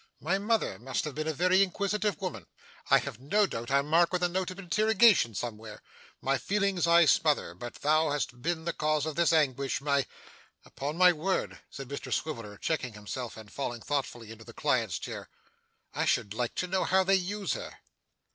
My mother must have been a very inquisitive woman; I have no doubt I'm marked with a note of interrogation somewhere. My feelings I smother, but thou hast been the cause of this anguish, my upon my word,' said Mr Swiveller, checking himself and falling thoughtfully into the client's chair, 'I should like to know how they use her!